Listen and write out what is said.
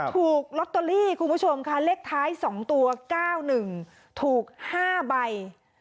ถูกลอตเตอรี่คุณผู้ชมค่ะเลขท้าย๒ตัว๙๑ถูก๕ใบ